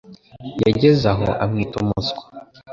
Yageze aho amwita umuswa.